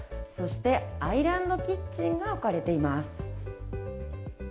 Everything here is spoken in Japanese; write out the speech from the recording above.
そして、アイランドキッチンが置かれています。